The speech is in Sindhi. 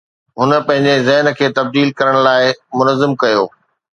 هن پنهنجي ذهن کي تبديل ڪرڻ لاء منظم ڪيو